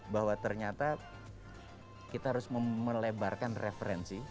bahwa ternyata kita harus melebarkan referensi